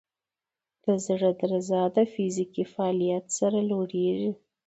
د زړه درزا د فزیکي فعالیت سره لوړېږي.